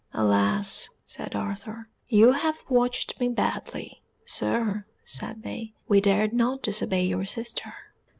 —"Alas!" said Arthur, "you have watched me badly!" "Sir," said they, "we dared not disobey your sister."